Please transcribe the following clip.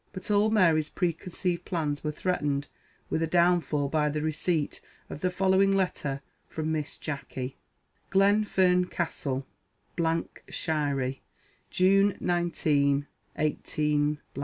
But all Mary's preconceived plans were threatened with a downfall by the receipt of the following letter from Miss Jacky: GLENFERN CASTLE, SHIRIE, June 19, 181